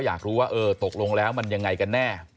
ถ้าเขาถูกจับคุณอย่าลืม